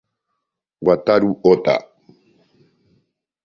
Wataru Ota